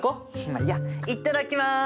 まあいいやいただきます！